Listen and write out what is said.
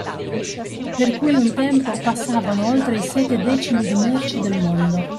Per cui un tempo passavano oltre i sette decimi di merci del mondo